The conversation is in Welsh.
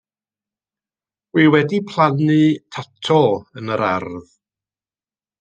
Wi wedi plannu tato yn yr ardd.